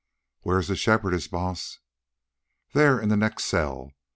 "Where is the Shepherdess, Baas?" "There, in the next cell.